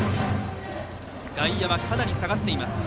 外野はかなり下がっています。